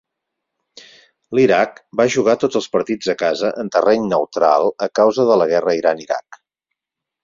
L'Iraq va jugar tots els partits a casa en terreny neutral a causa de la guerra Iran-Iraq.